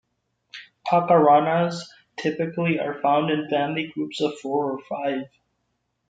Pacaranas typically are found in family groups of four or five.